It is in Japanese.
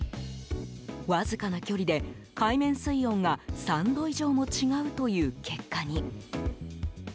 わずかな距離で海面水温が３度以上も違うという結果に。